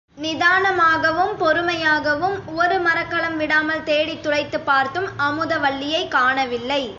நிதானமாகவும் பொறுமையாகவும், ஒரு மரக்கலம் விடாமல் தேடித் துளைத்துப் பார்த்தும் அமுதவல்லியைக் காணவில்லை.